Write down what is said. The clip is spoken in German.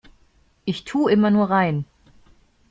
Ich tu' immer nur rein.